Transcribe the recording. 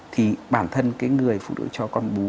thì bản thân cái người phụ nữ cho con bú